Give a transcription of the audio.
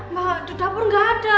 mbak di dapur gak ada